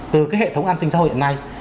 từ cái hệ thống an sinh xã hội hiện nay